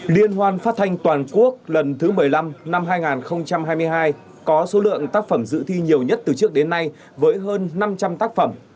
liên hoan phát thanh toàn quốc lần thứ một mươi năm năm hai nghìn hai mươi hai có số lượng tác phẩm dự thi nhiều nhất từ trước đến nay với hơn năm trăm linh tác phẩm